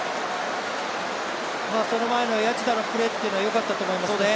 その前の谷内田のプレーがよかったと思いますね。